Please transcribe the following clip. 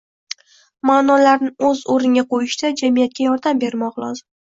– ma’nolarni o‘z o‘rniga qo‘yishda jamiyatga yordam bermog‘i lozim.